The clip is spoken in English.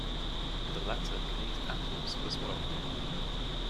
The latter can eat apples as well.